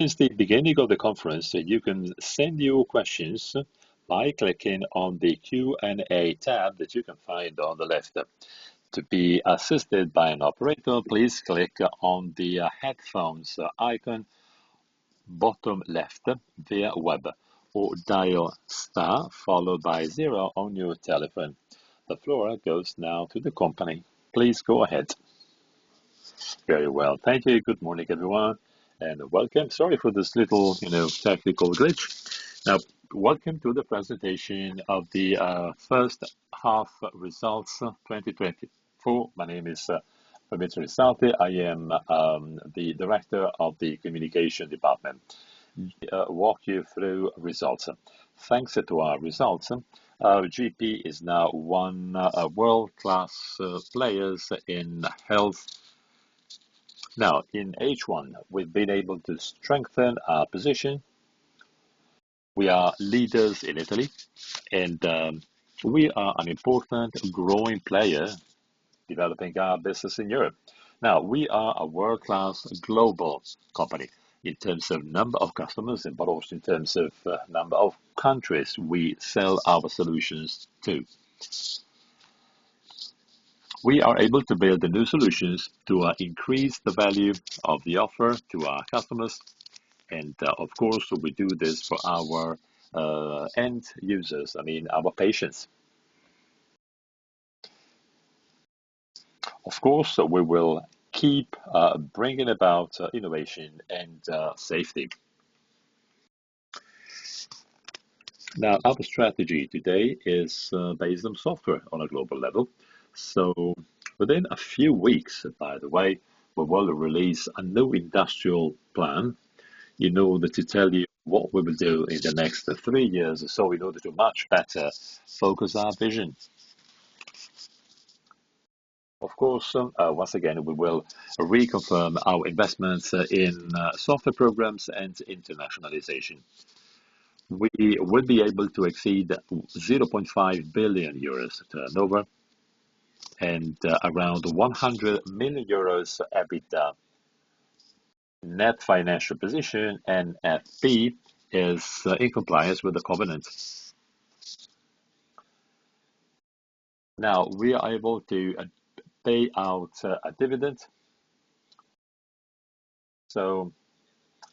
Since the beginning of the conference, you can send your questions by clicking on the Q&A tab that you can find on the left. To be assisted by an operator, please click on the headphones icon, bottom left via web, or dial star followed by zero on your telephone. The floor goes now to the company. Please go ahead. Very well. Thank you. Good morning, everyone, and welcome. Sorry for this little, you know, technical glitch. Now, welcome to the presentation of the first half results, 2024. My name is Fabrizio Redavid. I am the Director of the Communication Department. Walk you through results. Thanks to our results, GPI is now one world-class players in health. Now, in H1, we've been able to strengthen our position. We are leaders in Italy, and we are an important growing player, developing our business in Europe. Now, we are a world-class global company in terms of number of customers, but also in terms of number of countries we sell our solutions to. We are able to build the new solutions to increase the value of the offer to our customers, and of course, we do this for our end users, I mean, our patients. Of course, we will keep bringing about innovation and safety. Now, our strategy today is based on software on a global level. So within a few weeks, by the way, we will release a new industrial plan, in order to tell you what we will do in the next three years, so in order to much better focus our vision. Of course, once again, we will reconfirm our investments in software programs and internationalization. We will be able to exceed 0.5 billion euros turnover and around 100 million euros EBITDA. Net financial position, NFP, is in compliance with the covenants. Now, we are able to pay out a dividend. So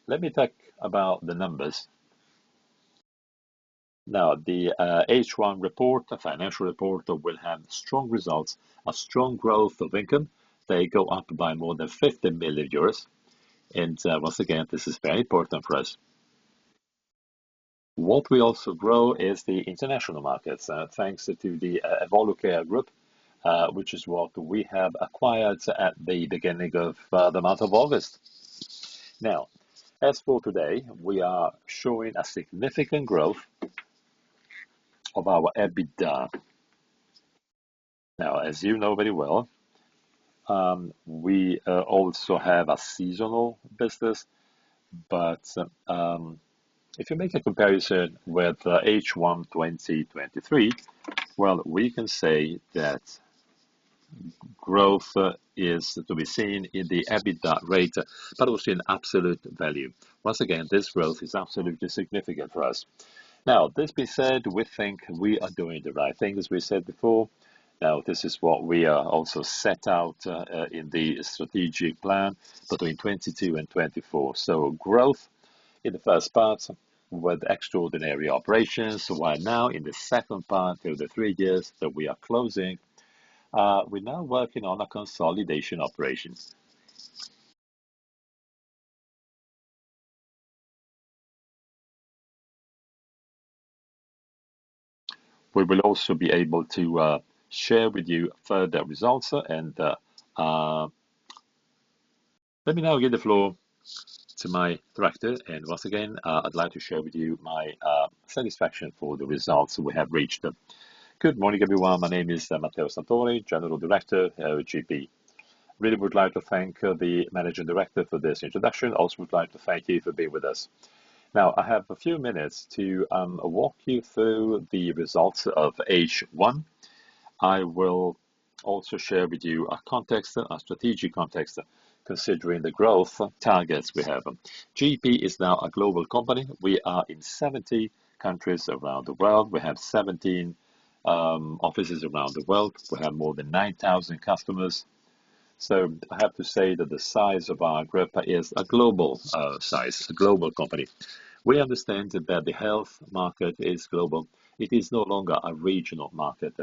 let me talk about the numbers. Now, the H1 report, the financial report, will have strong results, a strong growth of income. They go up by more than 50 million euros, and once again, this is very important for us. What we also grow is the international markets, thanks to the Evolucare Group, which is what we have acquired at the beginning of the month of August. Now, as of today, we are showing a significant growth of our EBITDA. Now, as you know very well, we also have a seasonal business, but if you make a comparison with H1 2023, well, we can say that growth is to be seen in the EBITDA rate, but also in absolute value. Once again, this growth is absolutely significant for us. Now, this being said, we think we are doing the right thing, as we said before. Now, this is what we are also set out in the strategic plan between 2022 and 2024. So growth in the first part with extraordinary operations, while now in the second part of the three years that we are closing, we're now working on a consolidation operation. We will also be able to share with you further results, and... Let me now give the floor to my director, and once again, I'd like to share with you my satisfaction for the results we have reached. Good morning, everyone. My name is Matteo Santoro, General Director, GPI. Really would like to thank the managing director for this introduction. Also, would like to thank you for being with us. Now, I have a few minutes to walk you through the results of H1. I will also share with you a context, a strategic context, considering the growth targets we have. GPI is now a global company. We are in 70 countries around the world. We have 17 offices around the world. We have more than 9,000 customers. So I have to say that the size of our group is a global size, a global company. We understand that the health market is global. It is no longer a regional market.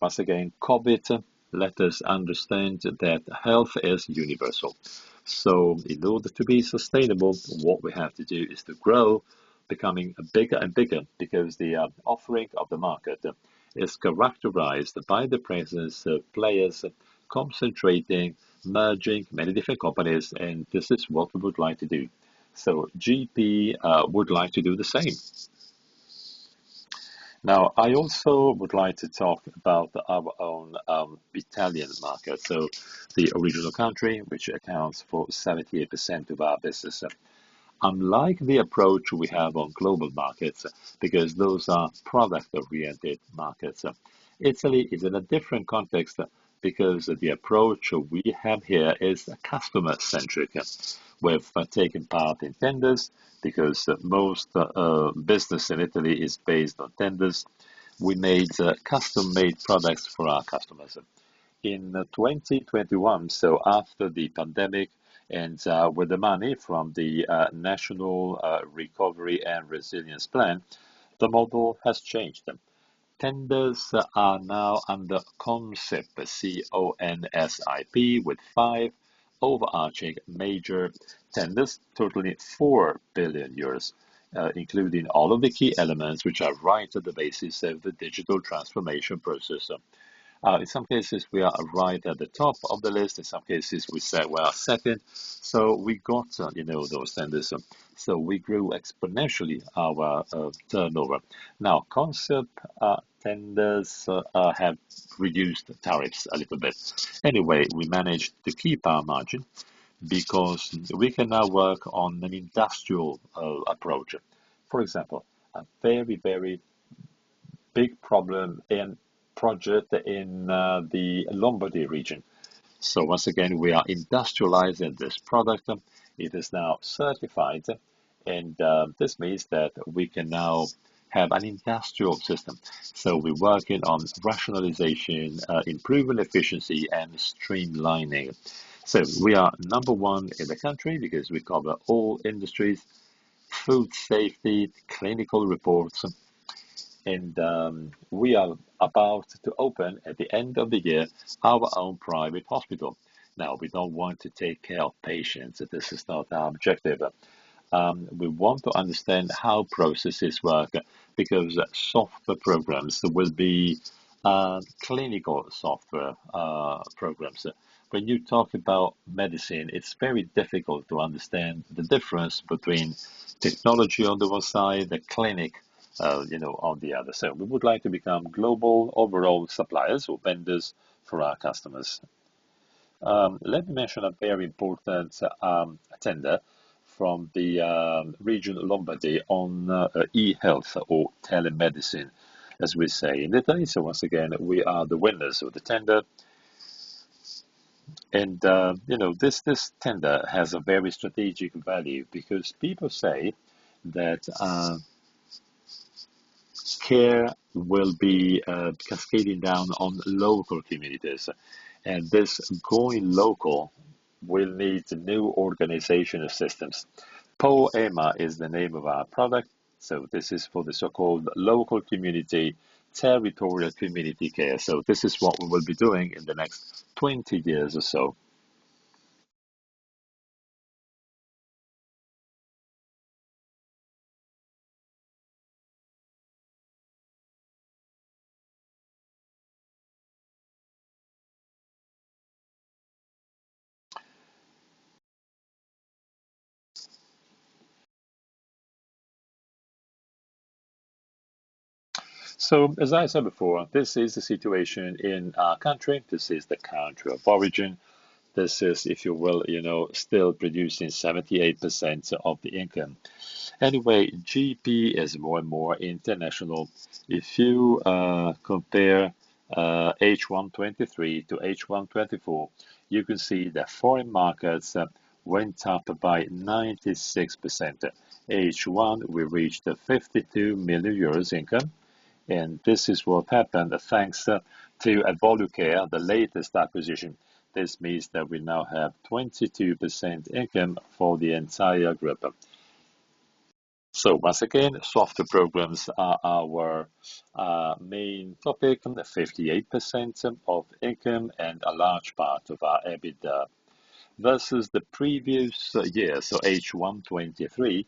Once again, COVID let us understand that health is universal, so in order to be sustainable, what we have to do is to grow, becoming bigger and bigger, because the offering of the market is characterized by the presence of players concentrating, merging many different companies, and this is what we would like to do, so GPI would like to do the same. Now, I also would like to talk about our own Italian market, so the original country, which accounts for 78% of our business, unlike the approach we have on global markets, because those are product-oriented markets. Italy is in a different context, because the approach we have here is customer-centric. We've taken part in tenders, because most business in Italy is based on tenders. We made custom-made products for our customers. In 2021, so after the pandemic and, with the money from the, National Recovery and Resilience Plan, the model has changed. Tenders are now under Consip, C-O-N-S-I-P, with five overarching major tenders, totaling 4 billion euros, including all of the key elements, which are right at the basis of the digital transformation process. In some cases, we are right at the top of the list, in some cases, we say we are second, so we got, you know, those tenders, so we grew exponentially our, turnover. Now, Consip tenders have reduced the tariffs a little bit. Anyway, we managed to keep our margin because we can now work on an industrial, approach. For example, a very big project in the Lombardy region, so once again, we are industrializing this product. It is now certified, and this means that we can now have an industrial system. So we're working on rationalization, improving efficiency, and streamlining. So we are number one in the country because we cover all industries, food safety, clinical reports, and we are about to open, at the end of the year, our own private hospital. Now, we don't want to take care of patients. This is not our objective. We want to understand how processes work, because software programs will be clinical software programs. When you talk about medicine, it's very difficult to understand the difference between technology on the one side, the clinic, you know, on the other side. We would like to become global overall suppliers or vendors for our customers. Let me mention a very important tender from the region of Lombardy on e-health or telemedicine, as we say in Italy. So once again, we are the winners of the tender. And you know, this tender has a very strategic value because people say that Care will be cascading down on local communities, and this going local will need new organizational systems. POeMA is the name of our product, so this is for the so-called local community, territorial community care. So this is what we will be doing in the next 20 years or so. So, as I said before, this is the situation in our country. This is the country of origin. This is, if you will, you know, still producing 78% of the income. Anyway, GPI is more and more international. If you compare H1 2023 to H1 2024, you can see that foreign markets went up by 96%. H1, we reached 52 million euros income, and this is what happened, thanks to Evolucare, the latest acquisition. This means that we now have 22% income for the entire group, so once again, software programs are our main topic, and 58% of income and a large part of our EBITDA versus the previous year, so H1 2023,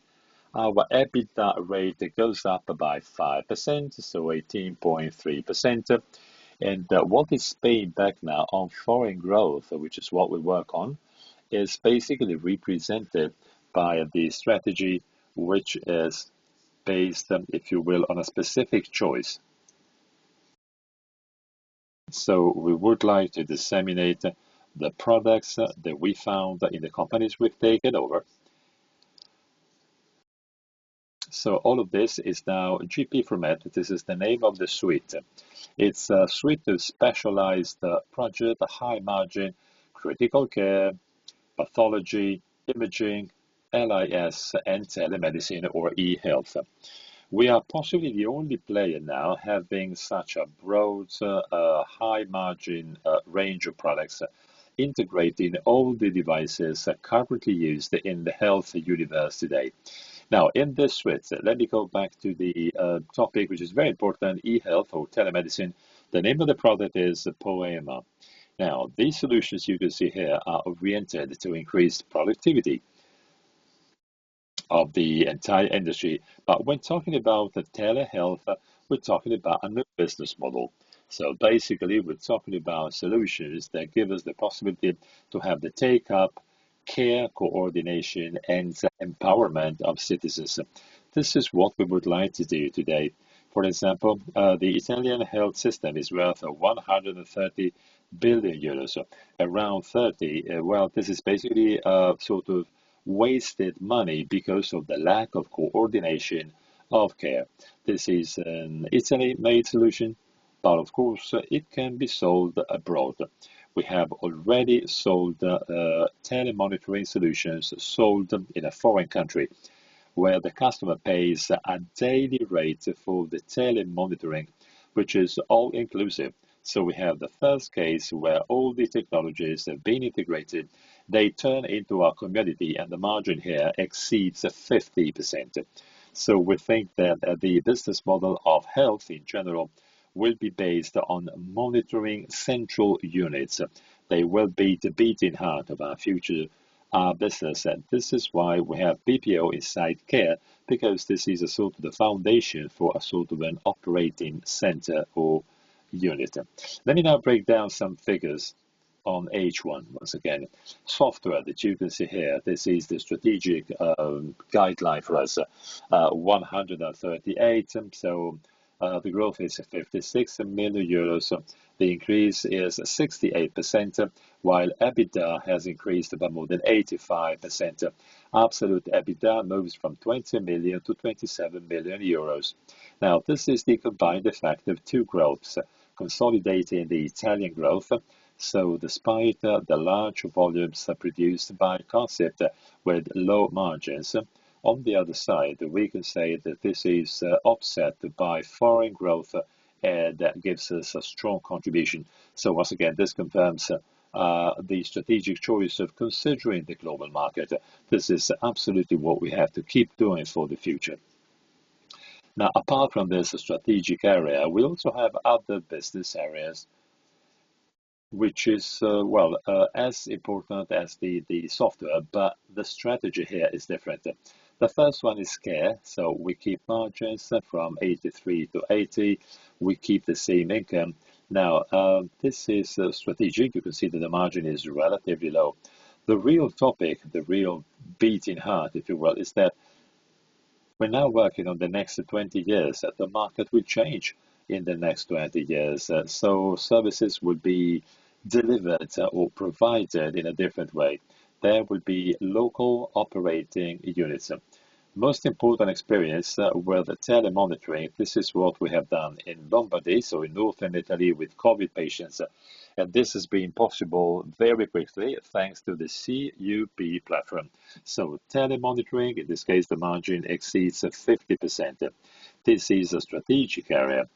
our EBITDA rate goes up by 5%, so 18.3%, and what is paying back now on foreign growth, which is what we work on, is basically represented by the strategy, which is based, if you will, on a specific choice, so we would like to disseminate the products that we found in the companies we've taken over. So all of this is now GPI4Med. This is the name of the suite. It's a suite of specialized project, high margin, critical care, pathology, imaging, LIS, and telemedicine, or e-health. We are possibly the only player now having such a broad, high margin, range of products, integrating all the devices that are currently used in the health universe today. Now, in this suite, let me go back to the topic, which is very important, e-health or telemedicine. The name of the product is POeMA. Now, these solutions you can see here are oriented to increase productivity of the entire industry. But when talking about the telehealth, we're talking about a new business model. So basically, we're talking about solutions that give us the possibility to have the take-up, care, coordination, and empowerment of citizens. This is what we would like to do today. For example, the Italian health system is worth 130 billion euros, so around 30. Well, this is basically, sort of wasted money because of the lack of coordination of care. This is an Italy-made solution? But of course, it can be sold abroad. We have already sold telemonitoring solutions sold in a foreign country, where the customer pays a daily rate for the telemonitoring, which is all-inclusive. So we have the first case where all the technologies have been integrated, they turn into a commodity, and the margin here exceeds 50%. So we think that the business model of health, in general, will be based on monitoring central units. They will be the beating heart of our future business, and this is why we have BPO inside care, because this is a sort of the foundation for a sort of an operating center or unit. Let me now break down some figures on H1. Once again, Software that you can see here, this is the strategic guideline for us 138, and so the growth is 56 million euros. The increase is 68%, while EBITDA has increased by more than 85%. Absolute EBITDA moves from 20 million to 27 million euros. Now, this is the combined effect of two growths, consolidating the Italian growth, so despite the large volumes are produced by Consip with low margins. On the other side, we can say that this is offset by foreign growth, and that gives us a strong contribution. So once again, this confirms the strategic choice of considering the global market. This is absolutely what we have to keep doing for the future. Now, apart from this strategic area, we also have other business areas, which is well, as important as the Software, but the strategy here is different. The first one is care, so we keep margins from 83% to 80%. We keep the same income. Now, this is strategic. You can see that the margin is relatively low. The real topic, the real beating heart, if you will, is that we're now working on the next 20 years, that the market will change in the next 20 years. So services will be delivered or provided in a different way. There will be local operating units. Most important experience were the telemonitoring. This is what we have done in Lombardy, so in northern Italy with COVID patients, and this has been possible very quickly, thanks to the CUP platform, so telemonitoring, in this case, the margin exceeds 50%. This is a strategic area,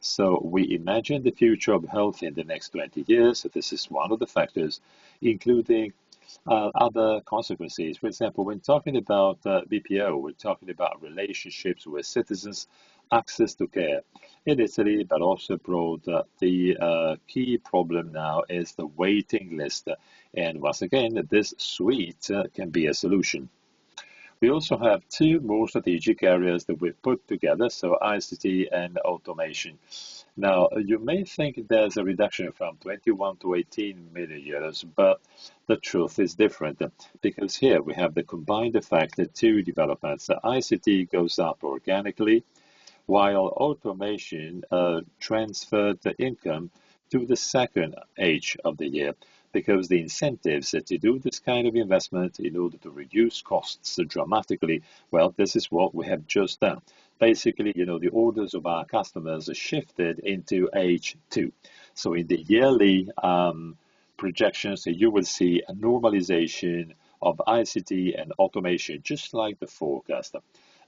so we imagine the future of health in the next 20 years. This is one of the factors, including other consequences. For example, when talking about BPO, we're talking about relationships with citizens, access to care in Italy, but also abroad, the key problem now is the waiting list, and once again, this suite can be a solution. We also have two more strategic areas that we've put together, so ICT and Automation. Now, you may think there's a reduction from 21 mllion to 18 million euros, but the truth is different, because here we have the combined effect of two developments. ICT goes up organically, while Automation transferred the income to the second half of the year, because the incentives to do this kind of investment in order to reduce costs dramatically. Well, this is what we have just done. Basically, you know, the orders of our customers are shifted into H2. So in the yearly projections, you will see a normalization of ICT and Automation, just like the forecast.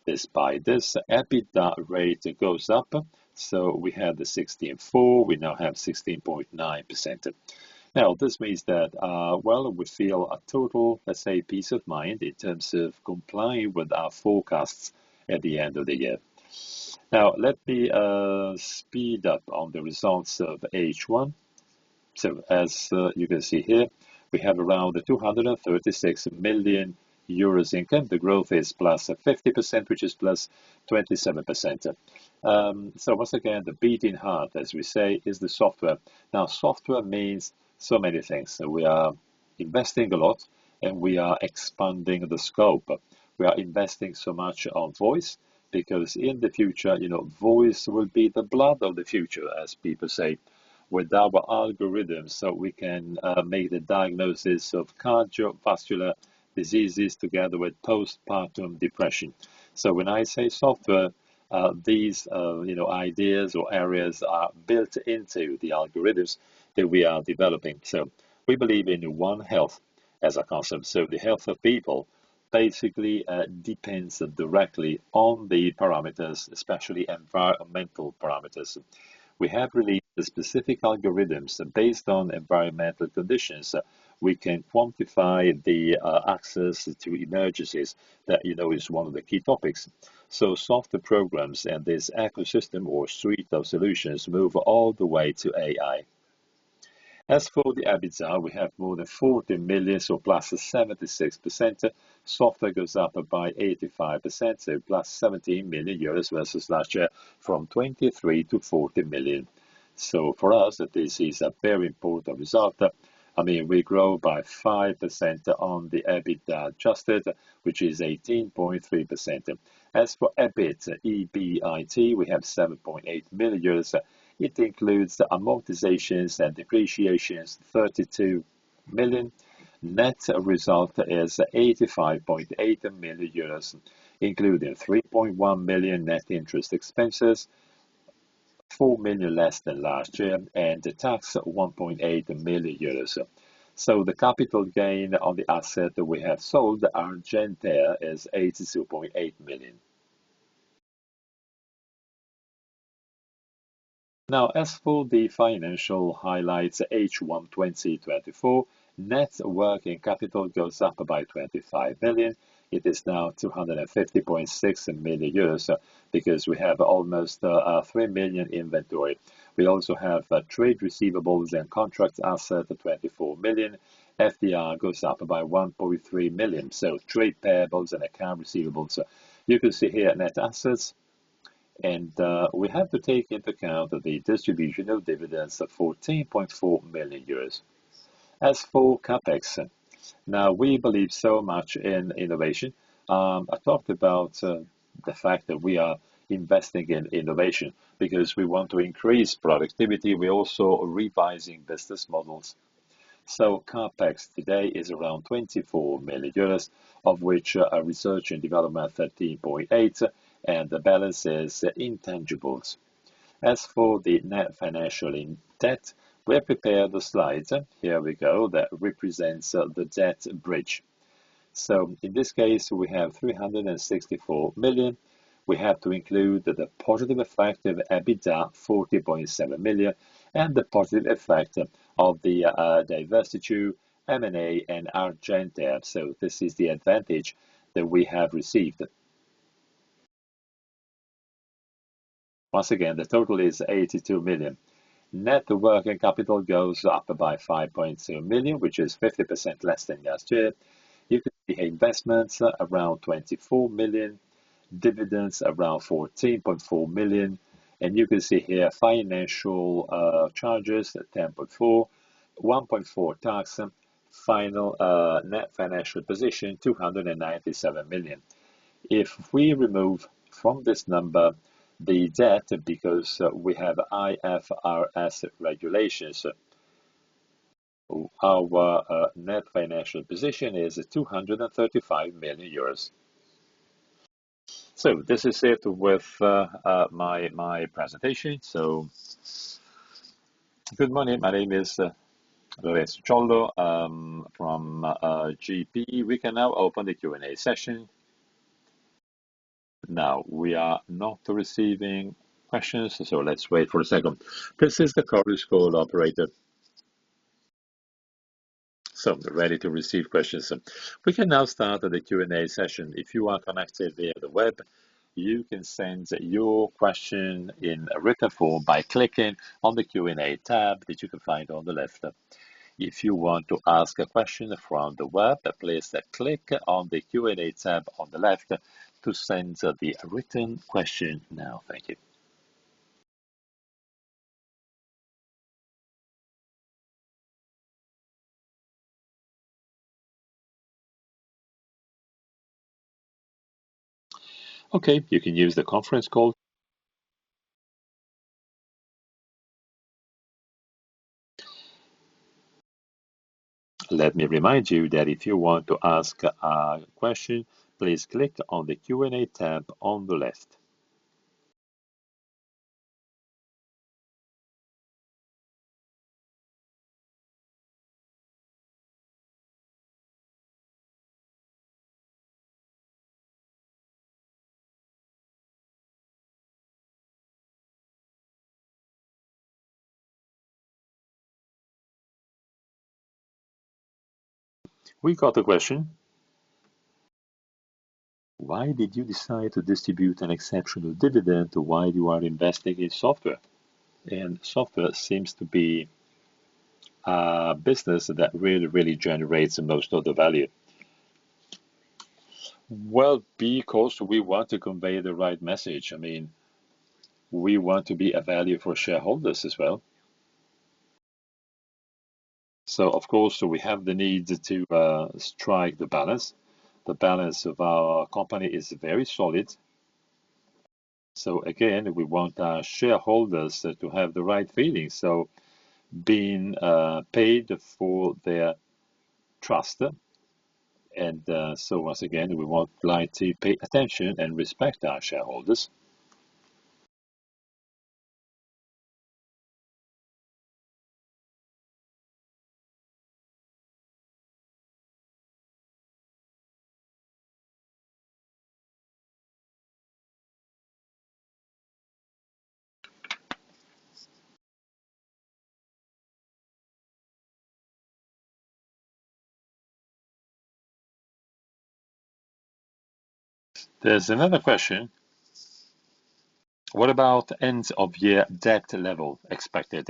Despite this, EBITDA rate goes up, so we have the 16.4, we now have 16.9%. Now, this means that well, we feel a total, let's say, peace of mind in terms of complying with our forecasts at the end of the year. Now, let me speed up on the results of H1. So as you can see here, we have around 236 million euros income. The growth is +50%, which is +27%. So once again, the beating heart, as we say, is the software. Now, software means so many things. So we are investing a lot, and we are expanding the scope. We are investing so much on voice, because in the future, you know, voice will be the blood of the future, as people say, with our algorithms, so we can make the diagnosis of cardiovascular diseases together with postpartum depression. So when I say software, these, you know, ideas or areas are built into the algorithms that we are developing. So we believe in One Health as a Consip. So the health of people basically depends directly on the parameters, especially environmental parameters. We have released specific algorithms based on environmental conditions. We can quantify the access to emergencies. That, you know, is one of the key topics. So software programs and this ecosystem or suite of solutions move all the way to AI. As for the EBITDA, we have more than 40 million, so +76%. Software goes up by 85%, so plus 17 million euros versus last year, from 23 million to 40 million. So for us, this is a very important result. I mean, we grow by 5% on the EBITDA adjusted, which is 18.3%. As for EBIT, E-B-I-T, we have 7.8 million euros. It includes the amortizations and depreciations, 32 million EUR. Net result is 85.8 million euros, including 3.1 million net interest expenses, 4 million less than last year, and the tax, 1.8 million euros. So the capital gain on the asset that we have sold, Argentea, is EUR 82.8 million. Now, as for the financial highlights, H1 2024, net working capital goes up by 25 million. It is now 250.6 million euros, because we have almost three million inventory. We also have trade receivables and contract assets of 24 million. TFR goes up by 1.3 million, so trade payables and account receivables. You can see here net assets, and we have to take into account the distribution of dividends of 14.4 million euros. As for CapEx, now, we believe so much in innovation. I talked about the fact that we are investing in innovation because we want to increase productivity. We're also revising business models. CapEx today is around 24 million euros, of which our research and development, 13.8, and the balance is intangibles. As for the net financial indebtedness, we have prepared the slides. Here we go. That represents the debt bridge. In this case, we have 364 million. We have to include the positive effect of EBITDA, 40.7 million, and the positive effect of the disposal, M&A, and Argentea. This is the advantage that we have received. Once again, the total is 82 million. Net working capital goes up by 5.0 million, which is 50% less than last year. You can see investments around 24 million, dividends around 14.4 million, and you can see here financial charges at 10.4, 1.4 tax, final net financial position 297 million. If we remove from this number the debt, because we have IFRS regulations, our net financial position is 235 million euros. This is it with my presentation. Good morning, my name is Lorenzo Giollo from GPI. We can now open the Q&A session. Now, we are not receiving questions, so let's wait for a second. This is the conference call operator. Ready to receive questions. We can now start the Q&A session. If you are connected via the web, you can send your question in written form by clicking on the Q&A tab, which you can find on the left. If you want to ask a question from the web, please click on the Q&A tab on the left to send the written question now. Thank you. Okay, you can use the conference call. Let me remind you that if you want to ask a question, please click on the Q&A tab on the left. We got a question: Why did you decide to distribute an exceptional dividend while you are investing in Software? And Software seems to be a business that really, really generates most of the value. Well, because we want to convey the right message. I mean, we want to be a value for shareholders as well. So of course, we have the need to strike the balance. The balance of our company is very solid. So again, we want our shareholders to have the right feeling, so being paid for their trust. And so once again, we want like to pay attention and respect our shareholders. There's another question: What about end-of-year debt level expected?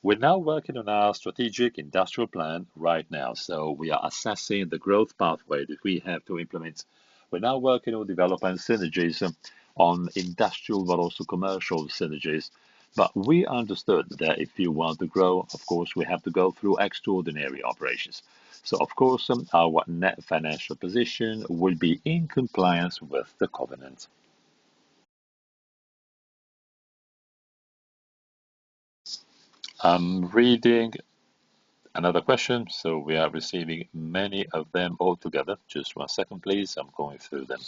We're now working on our strategic industrial plan right now, so we are assessing the growth pathway that we have to implement. We're now working on developing synergies on industrial, but also commercial synergies. But we understood that if you want to grow, of course, we have to go through extraordinary operations. So of course, our net financial position will be in compliance with the covenant. I'm reading another question, so we are receiving many of them all together. Just one second, please. I'm going through them.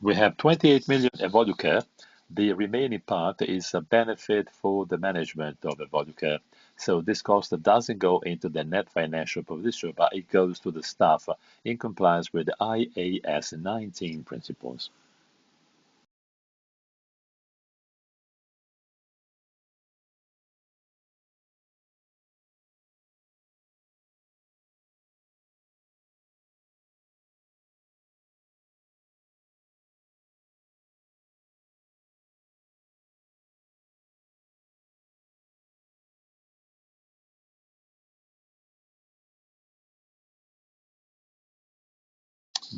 We have 28 million Evolucare. The remaining part is a benefit for the management of Evolucare, so this cost doesn't go into the net financial position, but it goes to the staff in compliance with IAS 19 principles.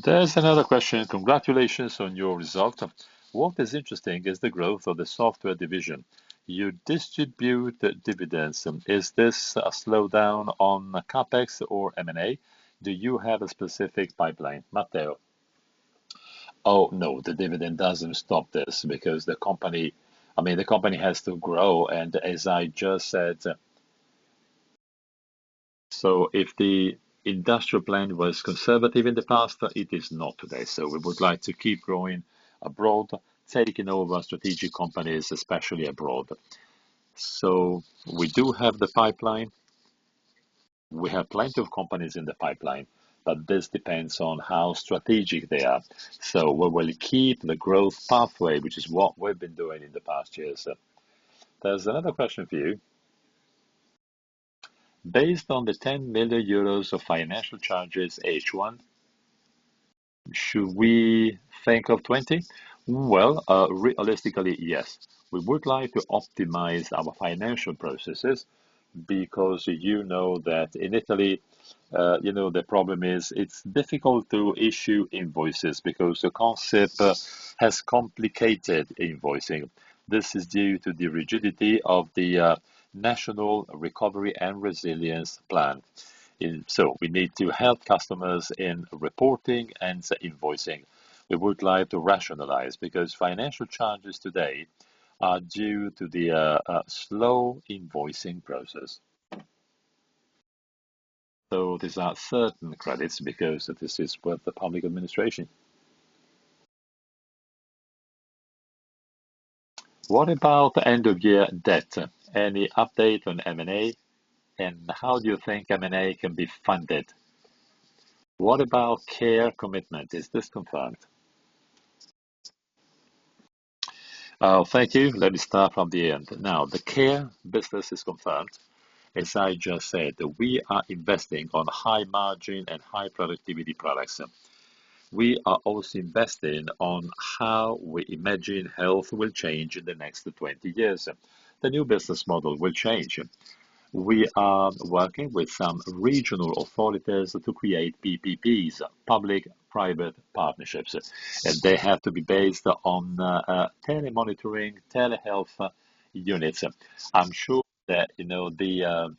There's another question: Congratulations on your result. What is interesting is the growth of the software division. You distribute dividends, is this a slowdown on CapEx or M&A? Do you have a specific pipeline? Matteo. Oh, no, the dividend doesn't stop this because the company... I mean, the company has to grow, and as I just said, so if the industrial plan was conservative in the past, it is not today. So we would like to keep growing abroad, taking over strategic companies, especially abroad. So we do have the pipeline. We have plenty of companies in the pipeline, but this depends on how strategic they are. So we will keep the growth pathway, which is what we've been doing in the past years. There's another question for you. Based on the 10 million euros of financial charges, H1, should we think of 20 million EUR? Well, realistically, yes. We would like to optimize our financial processes because you know that in Italy, you know, the problem is it's difficult to issue invoices because the Consip has complicated invoicing. This is due to the rigidity of the National Recovery and Resilience Plan. So we need to help customers in reporting and invoicing. We would like to rationalize, because financial charges today are due to the slow invoicing process. So these are certain credits because this is with the public administration. What about end-of-year debt? Any update on M&A, and how do you think M&A can be funded? What about care commitment? Is this confirmed? Thank you. Let me start from the end. Now, the care business is confirmed. As I just said, we are investing on high margin and high productivity products. We are also investing on how we imagine health will change in the next 20 years. The new business model will change. We are working with some regional authorities to create PPPs, Public-Private Partnerships, and they have to be based on telemonitoring, telehealth units. I'm sure that, you know, the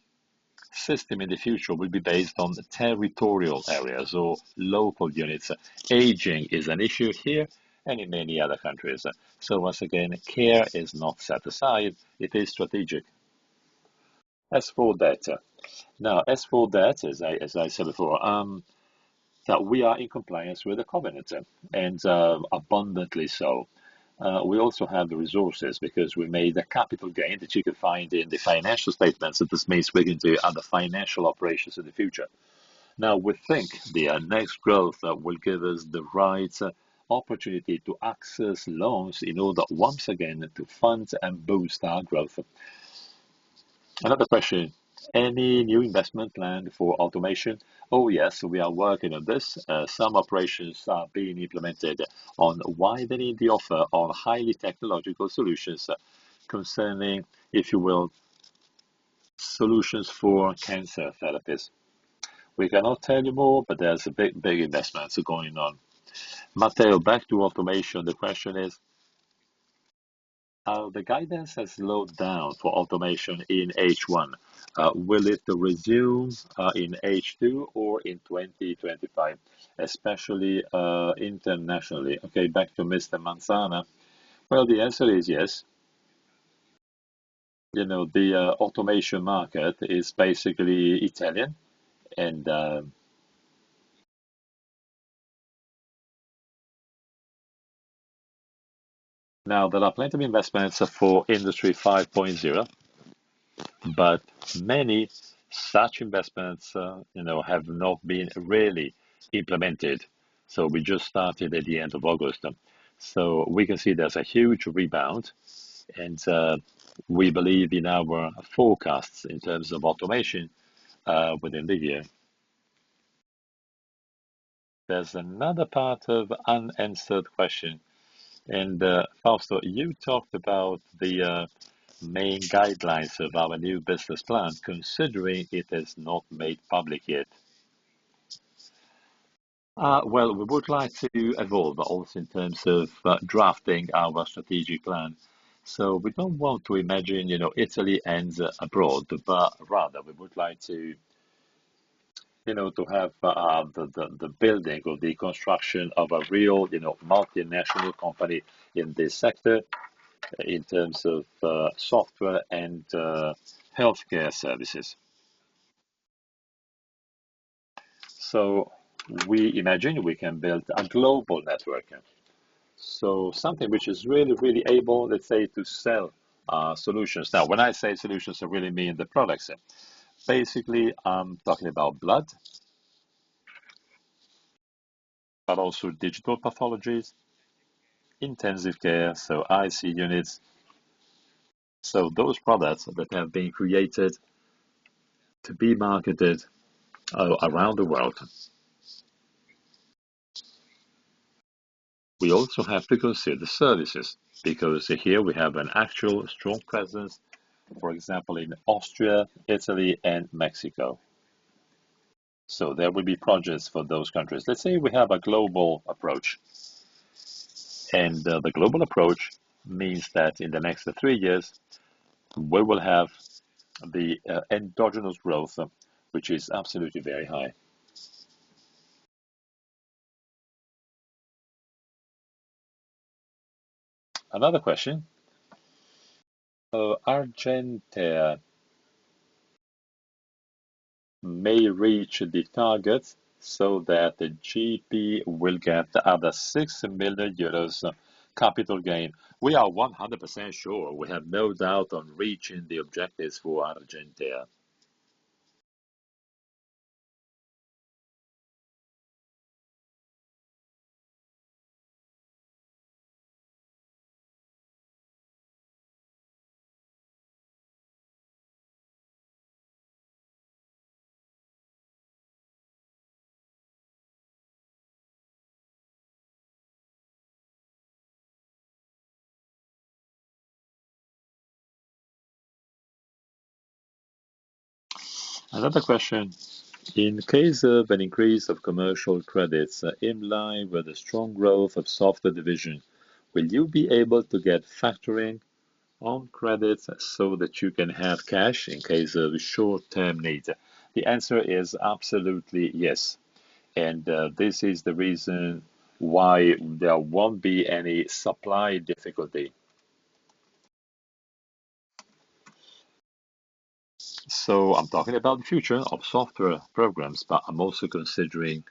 system in the future will be based on territorial areas or local units. Aging is an issue here and in many other countries. So once again, care is not set aside, it is strategic. As for debt. Now, as for debt, as I said before, that we are in compliance with the covenant and abundantly so. We also have the resources because we made a capital gain that you can find in the financial statements, so this may swing into other financial operations in the future. Now, we think the next growth will give us the right opportunity to access loans in order, once again, to fund and boost our growth. Another question: Any new investment plan for Automation? Oh, yes, we are working on this. Some operations are being implemented on widening the offer on highly technological solutions concerning, if you will, solutions for cancer therapies. We cannot tell you more, but there's a big, big investment going on. Matteo, back to Automation. The question is: The guidance has slowed down for Automation in H1. Will it resume in H2 or in 2025, especially internationally? Okay, back to Mr. Manzana. Well, the answer is yes. You know, the Automation market is basically Italian, and now there are plenty of investments for Industry 5.0, but many such investments, you know, have not been really implemented, so we just started at the end of August. So we can see there's a huge rebound, and we believe in our forecasts in terms of Automation, within the year. There's another part of unanswered question, and also, you talked about the main guidelines of our new business plan, considering it is not made public yet. Well, we would like to evolve also in terms of drafting our strategic plan. So we don't want to imagine, you know, Italy and abroad, but rather, we would like to, you know, to have the building or the construction of a real, you know, multinational company in this sector in terms of software and healthcare services. So we imagine we can build a global network. So something which is really, really able, let's say, to sell solutions. Now, when I say solutions, I really mean the products. Basically, I'm talking about blood, but also digital pathologies, intensive care, so IC units. So those products that have been created to be marketed around the world. We also have to consider the services, because here we have an actual strong presence, for example, in Austria, Italy, and Mexico. So there will be projects for those countries. Let's say we have a global approach, and the global approach means that in the next three years, we will have the endogenous growth, which is absolutely very high. Another question. So Argentea may reach the target so that the GPI will get the other 6 million euros capital gain. We are 100% sure. We have no doubt on reaching the objectives for Argentea. Another question: In case of an increase of commercial credits in line with the strong growth of software division, will you be able to get factoring on credits so that you can have cash in case of a short-term need? The answer is absolutely yes, and this is the reason why there won't be any supply difficulty. So I'm talking about the future of software programs, but I'm also considering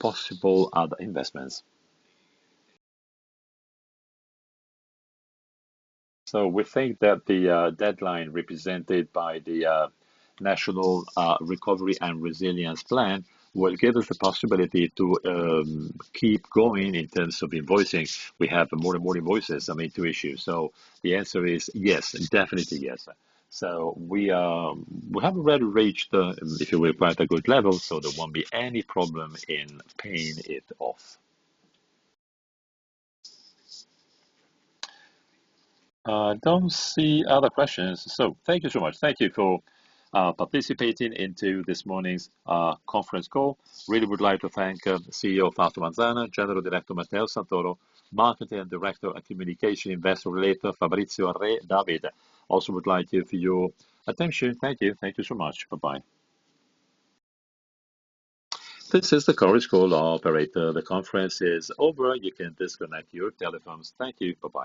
possible other investments. So we think that the deadline represented by the National Recovery and Resilience Plan will give us a possibility to keep going in terms of invoicing. We have more and more invoices, I mean, to issue. The answer is yes, definitely yes. We have already reached, if you will, quite a good level, so there won't be any problem in paying it off. I don't see other questions. Thank you so much. Thank you for participating into this morning's conference call. Really would like to thank CEO Fausto Manzana, General Director Matteo Santoro, Marketing and Director of Communication, Investor Relations, Fabrizio Redavid. Also would like to thank you for your attention. Thank you. Thank you so much. Bye-bye. This is the conference call operator. The conference is over. You can disconnect your telephones. Thank you. Bye-bye.